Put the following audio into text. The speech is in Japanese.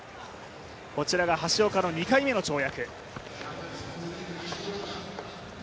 こちらが橋岡の２回目の跳躍。